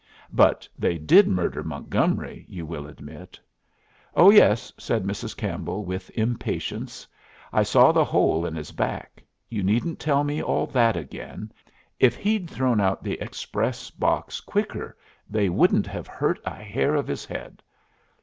"But they did murder Montgomery, you will admit." "Oh yes!" said Mrs. Campbell, with impatience. "I saw the hole in his back. You needn't tell me all that again. If he'd thrown out the express box quicker they wouldn't have hurt a hair of his head.